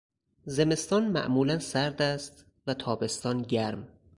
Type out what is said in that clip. زمستان معمولا سرد است و تابستان گرم.